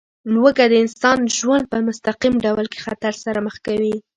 لوږه د انسان ژوند په مستقیم ډول له خطر سره مخ کوي.